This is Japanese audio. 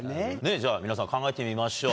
じゃあ皆さん考えてみましょう。